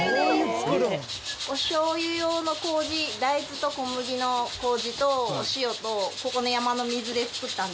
おしょう油用の麹大豆と小麦の麹とお塩とここの山の水で作ったんです。